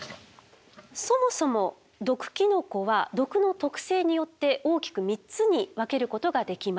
そもそも毒キノコは毒の特性によって大きく３つに分けることができます。